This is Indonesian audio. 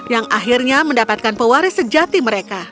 yang akhirnya mendapatkan pewaris sejati mereka